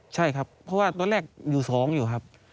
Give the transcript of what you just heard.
ใช่ครับเพราะว่าตอนแรกอยู่๒อยู่ครับ